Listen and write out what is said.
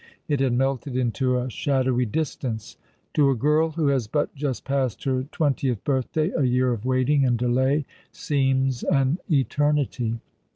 It had melted into a shadowy distance. To a girl who has but just passed her twen tieth birthday a year of waiting and delay seems an eternity.